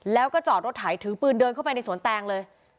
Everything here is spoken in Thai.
แล้วก็จอดรถไถถือปืนเดินเข้าไปในสวนแตงเลย